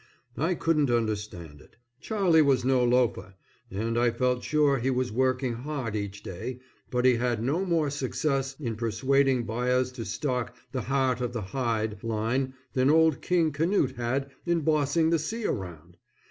I couldn't understand it. Charlie was no loafer, and I felt sure he was working hard each day, but he had no more success in persuading buyers to stock "The Heart of the Hide" line than old King Canute had in bossing the sea around.